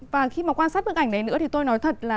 và khi mà quan sát bức ảnh đấy nữa thì tôi nói thật là